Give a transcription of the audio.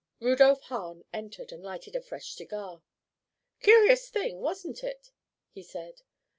Rudolph Hahn entered and lighted a fresh cigar. "Curious thing, wasn't it?" he said.